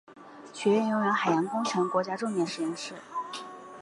学院拥有海洋工程国家重点实验室。